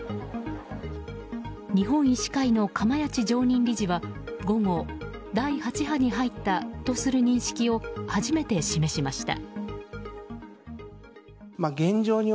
日本医師会の釜萢常任理事は午後、第８波に入ったとする認識を初めて示しました。